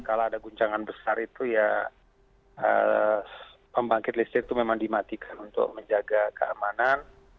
kalau ada guncangan besar itu ya pembangkit listrik itu memang dimatikan untuk menjaga keamanan